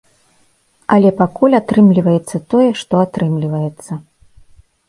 Але пакуль атрымліваецца тое, што атрымліваецца.